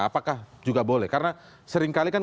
apakah juga boleh karena seringkali kan